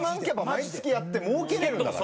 毎月やって儲けられるんだから。